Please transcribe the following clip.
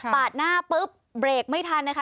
หน้าปุ๊บเบรกไม่ทันนะคะ